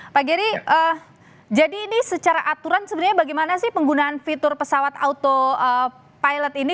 pak geri jadi ini secara aturan sebenarnya bagaimana sih penggunaan fitur pesawat auto pilot ini